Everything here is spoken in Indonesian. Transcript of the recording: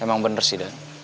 emang bener sih dan